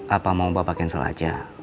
apa mau pak cancel saja